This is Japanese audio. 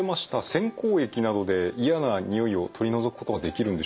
洗口液などで嫌な臭いを取り除くことはできるんでしょうか？